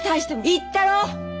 言ったろ！